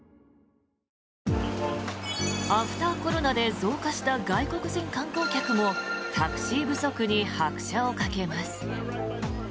アフターコロナで増加した外国人観光客もタクシー不足に拍車をかけます。